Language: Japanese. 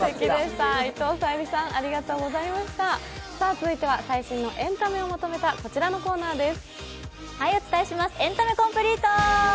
続いては最新のエンタメをまとめたこちらのコーナーです。